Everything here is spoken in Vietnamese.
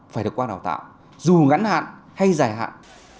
phải được qua đào tạo dù ngắn hạn hay dài hạn